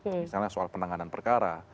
misalnya soal penanganan perkara